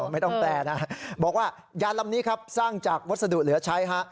ไม่ต้องแปลนะบอกว่ายานลำนี้ครับสร้างจากวัสดุเหลือใช้ฮะ